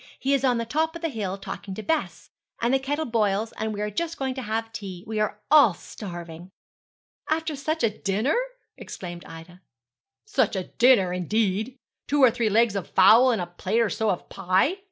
He is on the top of the hill talking to Bess; and the kettle boils, and we are just going to have tea. We are all starving.' 'After such a dinner!' exclaimed Ida. 'Such a dinner, indeed! two or three legs of fowls and a plate or so of pie!'